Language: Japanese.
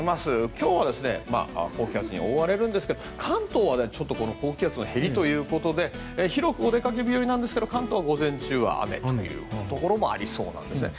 今日は高気圧に覆われるんですが関東は、ちょっと高気圧のへりということで広くお出かけ日和ですが関東は午前中は雨のところもありそうです。